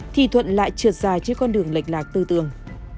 thì thuận lại trượt dài trên con đường lệch lạc tư tưởng